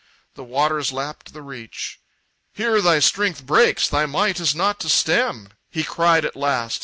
The waters lapped the reach. "Here thy strength breaks, thy might is nought to stem!" He cried at last.